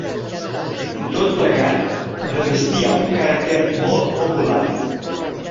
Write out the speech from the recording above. Tot plegat revestia un caràcter molt popular.